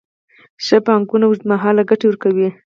ښه پانګونه اوږدمهاله ګټه ورکوي.